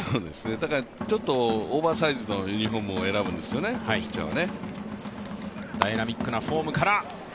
だからちょっとオーバーサイズのユニフォームを選ぶんですよね、ピッチャーは。